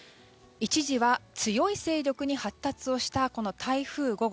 一時は強い勢力に発達をした台風５号。